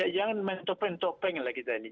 jangan main topeng topeng lah kita ini